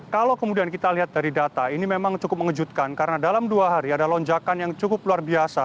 kalau kemudian kita lihat dari data ini memang cukup mengejutkan karena dalam dua hari ada lonjakan yang cukup luar biasa